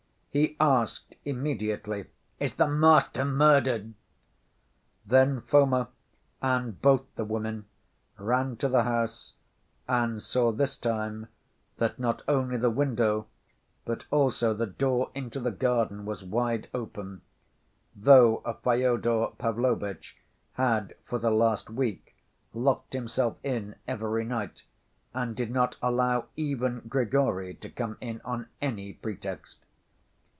He asked immediately: "Is the master murdered?" Then Foma and both the women ran to the house and saw this time that not only the window, but also the door into the garden was wide open, though Fyodor Pavlovitch had for the last week locked himself in every night and did not allow even Grigory to come in on any pretext.